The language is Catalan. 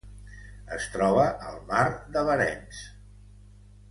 Es troba al mar de Barentsz.